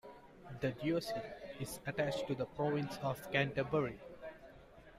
The diocese is attached to the Province of Canterbury.